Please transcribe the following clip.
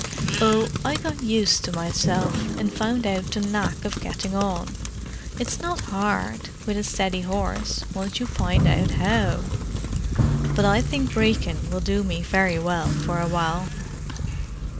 "Oh—I got used to myself, and found out the knack of getting on. It's not hard, with a steady horse, once you find out how. But I think Brecon will do me very well for awhile."